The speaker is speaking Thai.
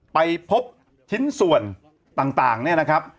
ไปพบชิ้นส่วนต่างเนี่ยนะครับ